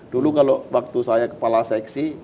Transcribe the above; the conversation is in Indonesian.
dulu kalau waktu saya kepala seksi